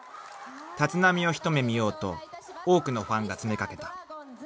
［立浪を一目見ようと多くのファンが詰めかけた］